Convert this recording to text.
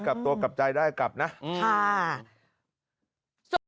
กะลาวบอกว่าก่อนเกิดเหตุ